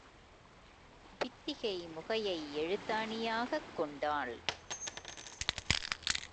பித்திகை முகையை எழுத்தாணியாகக் கொண்டாள்.